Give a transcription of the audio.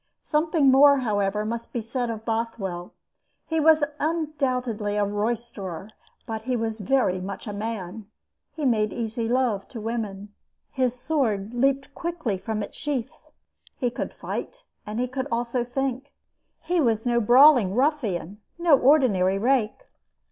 Something more, however, must be said of Bothwell. He was undoubtedly a roisterer, but he was very much a man. He made easy love to women. His sword leaped quickly from its sheath. He could fight, and he could also think. He was no brawling ruffian, no ordinary rake.